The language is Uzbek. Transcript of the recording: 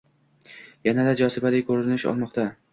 yanada «jozibali» ko‘rinish olmoqda.